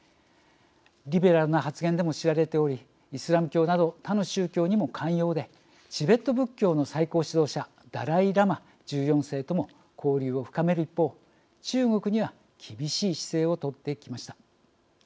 リベラルな発言でも知られており、イスラム教など他の宗教にも寛容でチベット仏教の最高指導者ダライ・ラマ１４世とも交流を深める一方、中国には厳しい姿勢を取ってきました。